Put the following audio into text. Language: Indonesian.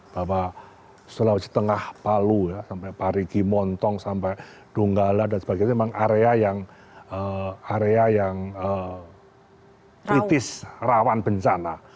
bahwa sulawesi tengah palu sampai parigi montong sampai donggala dan sebagainya memang area yang kritis rawan bencana